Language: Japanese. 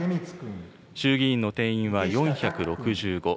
衆議院の定員は４６５。